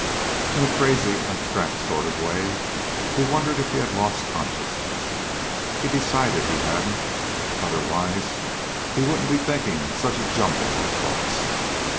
In a crazy abstract sort of way he wondered if he had lost consciousness. He decided he hadn't, otherwise he wouldn't be thinking such a jumble of thoughts.